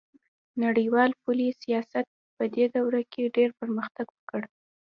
نړیوال پولي سیاست پدې دوره کې ډیر پرمختګ وکړ